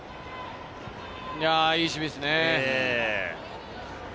いい守備ですね。